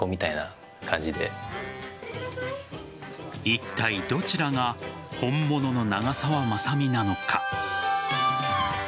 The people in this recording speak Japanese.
いったい、どちらが本物の長澤まさみなのか。